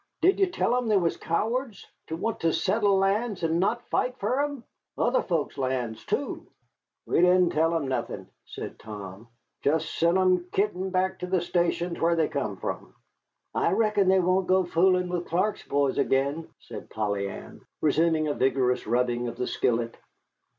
"Did ye tell 'em they was cowards to want to settle lands, and not fight for 'em? Other folks' lands, too." "We didn't tell 'em nothin'," said Tom; "jest sent 'em kitin' back to the stations whar they come from." "I reckon they won't go foolin' with Clark's boys again," said Polly Ann, resuming a vigorous rubbing of the skillet.